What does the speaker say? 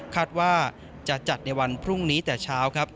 คาดว่าจะจัดในวันพรุ่งนี้แต่เช้าครับ